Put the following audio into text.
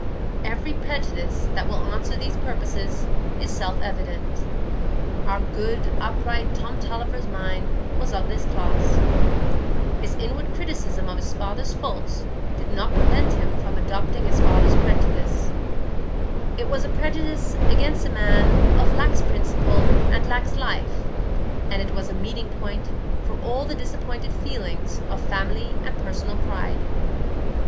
Every prejudice that will answer these purposes is self evident. Our good, upright Tom Tulliver's mind was of this class; his inward criticism of his father's faults did not prevent him from adopting his father's prejudice; it was a prejudice against a man of lax principle and lax life, and it was a meeting point for all the disappointed feelings of family and personal pride.